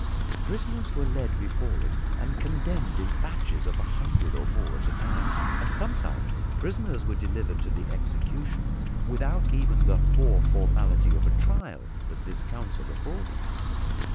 Prisoners were led before it and condemned in batches of a hundred or more at a time, and sometimes prisoners were delivered to the executioners without even the poor formality of a trial that this council afforded.